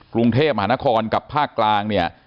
กรุงเทพมหานครกับภาคกลางเนี่ย